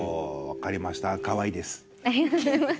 ありがとうございます。